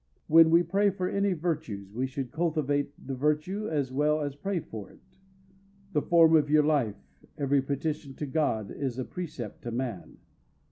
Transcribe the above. When we pray for any virtues we should cultivate the virtue as well as pray for it. The form of your life, every petition to God, is a precept to man.